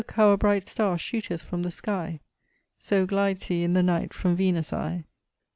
how a bright star shooteth from the sky, So glides he in the night from Venus' eye.